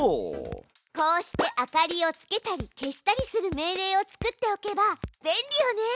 こうして明かりをつけたり消したりする命令を作っておけば便利よね！